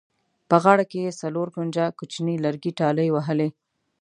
په غاړه کې یې څلور کونجه کوچیني لرګي ټالۍ وهلې.